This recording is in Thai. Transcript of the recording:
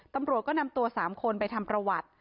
ตำรวจก็นำตัว๓คนไปทำประวัติ